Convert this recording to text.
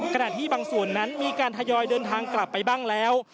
ขณะที่บางส่วนนั้นมีการทยอยเดินทางกลับไปบ้างแล้ว